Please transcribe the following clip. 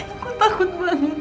aku takut banget